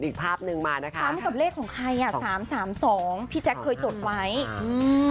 อีกภาพหนึ่งมานะคะพร้อมกับเลขของใครอ่ะสามสามสองพี่แจ๊คเคยจดไว้อืม